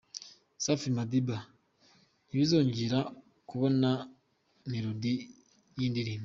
Safi Madiba: Ntibingora kubona melodie y’indirimbo.